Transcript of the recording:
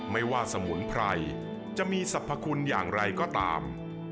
ไม่ว่าสมุนไพรจะมีสรรพคุณอย่างไรก็ตาม